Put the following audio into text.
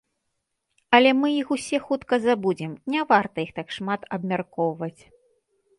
Але мы іх усе хутка забудзем, не варта іх так шмат абмяркоўваць.